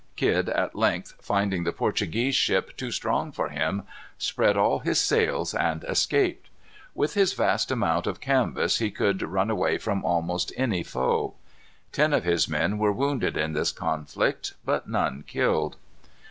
Kidd at length, finding the Portuguese ship too strong for him, spread all his sails and escaped. With his vast amount of canvas he could run away from almost any foe. Ten of his men were wounded in this conflict, but none killed.